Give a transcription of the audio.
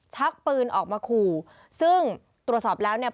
ชักปืนออกมาขู่ซึ่งตรวจสอบแล้วเนี่ย